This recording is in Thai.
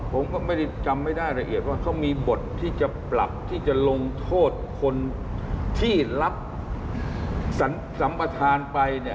ผมก็ไม่ได้จำไม่ได้ละเอียดว่าเขามีบทที่จะปรับที่จะลงโทษคนที่รับสัมประธานไปเนี่ย